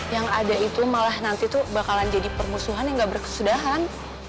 yang ada itu malah nanti tuh bakalan jadi permusuhan yang gak berkesudahan